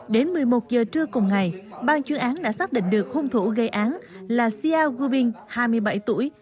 đến một mươi một h trưa cùng ngày bang chuyên án đã xác định được hung thủ gây án là xiao guobing hai mươi bảy tuổi